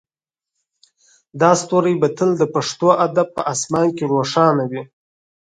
دا ستوری به تل د پښتو ادب په اسمان کې روښانه وي